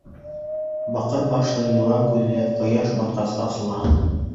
Баҡыр башлы йылан күҙе ҡояш батҡас асыла.